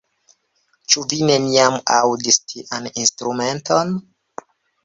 Ĉu vi neniam aŭdis tian instrumenton?